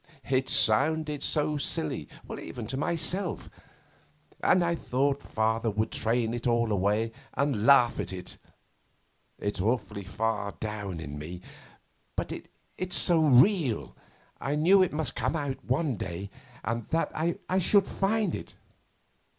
It sounded so silly even to myself, and I thought Father would train it all away and laugh at it. It's awfully far down in me, but it's so real I knew it must come out one day, and that I should find it.